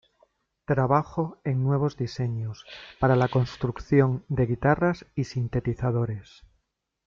Trabajó en nuevos diseños para la construcción de guitarras y sintetizadores.